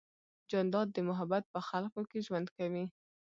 جانداد د محبت په خلقو کې ژوند کوي.